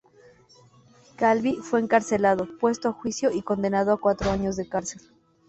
Calvi fue encarcelado, puesto a juicio, y condenado a cuatro años de cárcel.